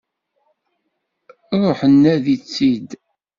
Ruḥ nadi-tt-id!